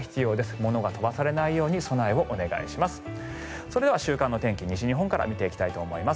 物が飛ばされないように備えをお願いします。